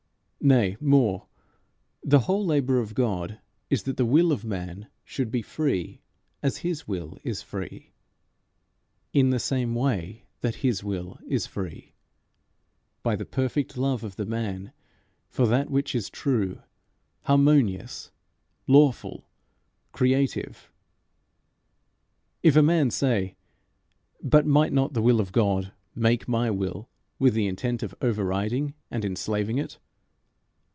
Nay, more, the whole labour of God is that the will of man should be free as his will is free in the same way that his will is free by the perfect love of the man for that which is true, harmonious, lawful, creative. If a man say, "But might not the will of God make my will with the intent of over riding and enslaving it?"